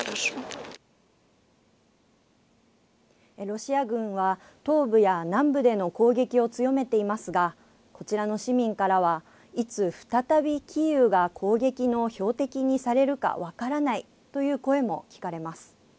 ロシア軍は、東部や南部での攻撃を強めていますが、こちらの市民からは、いつ再びキーウが攻撃の標的にされるか分からないという声も聞かれます。